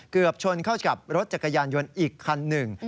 เกือบชนเข้ากับรถจักรยานยนต์อีกคันหนึ่ง